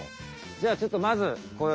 じゃあちょっとまずわ！